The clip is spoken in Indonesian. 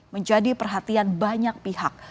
menjadi perhatian banyak pihak